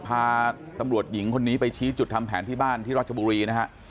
พาตำรวจหญิงคนนี้ไปชี้จุดทำแผนที่บ้านที่รัชบุรีนะฮะ